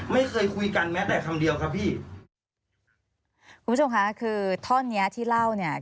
ไม่เคยคุยกันแม้แต่คำเดียวครับพี่คุณผู้ชมค่ะคือท่อนเนี้ยที่เล่าเนี่ย